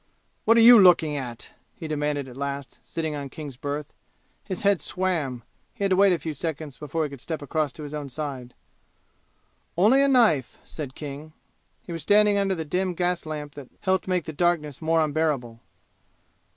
"What are you looking at?" he demanded at last, sitting on King's berth. His head swam. He had to wait a few seconds before he could step across to his own side. "Only a knife," said King. He was standing under the dim gas lamp that helped make the darkness more unbearable.